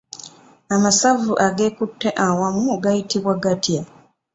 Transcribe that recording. Amasavu ageekutte awamu gayitibwa gatya?